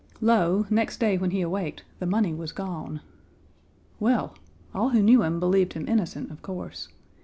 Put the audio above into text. Lo, next day when he awaked, the money was gone. Well! all who knew him believed him innocent, of course.